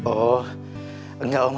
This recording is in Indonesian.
oh enggak om